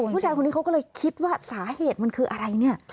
ผู้ชายคนนี้เขาก็เลยคิดว่าสาเหตุมันคืออะไรเนี่ย